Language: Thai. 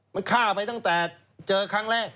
มันฆ่าไปตั้งแต่เจอครั้งแรก